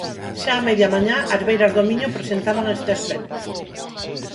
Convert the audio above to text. Xa a media mañá as beiras do Miño presentaban este aspecto.